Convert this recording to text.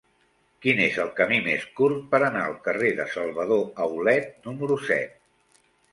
Quin és el camí més curt per anar al carrer de Salvador Aulet número set?